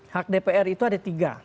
hak dpr itu ada tiga